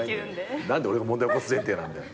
何で問題起こす前提なんだよ。